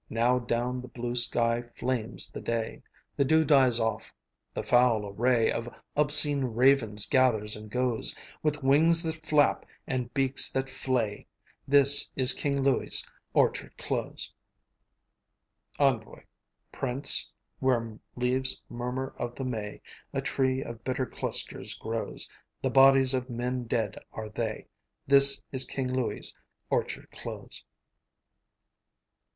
Now down the blue sky flames the day; The dew dies off; the foul array Of obscene ravens gathers and goes, With wings that flap and beaks that flay: This is King Louis's orchard close! ENVOI Prince, where leaves murmur of the May, A tree of bitter clusters grows; The bodies of men dead are they! This is King Louis's orchard close!